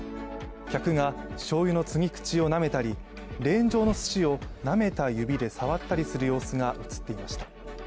客がしょうゆの注ぎ口をなめたりレーン上のすしを、なめた指で触ったりする様子が映っていました。